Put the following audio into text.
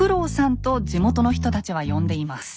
と地元の人たちは呼んでいます。